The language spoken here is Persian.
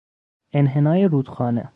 انحنای رودخانه